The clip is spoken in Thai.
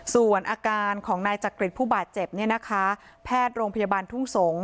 ส่วนอาการของนายจักริตผู้บาดเจ็บเนี่ยนะคะแพทย์โรงพยาบาลทุ่งสงศ์